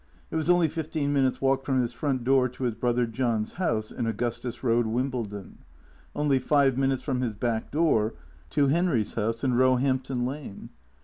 It was only fifteen minutes' walk from his front door to his brother John's house in Augustus Road, Wim bledon; only five minutes from his back door to Henry's house in Roehampton Lane.